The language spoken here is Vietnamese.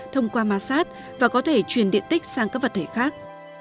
thông qua ma sát và có thể truyền điện tích sang các vật thể khác